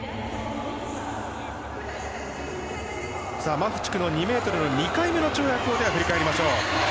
マフチフの２ｍの２回目の跳躍を振り返りましょう。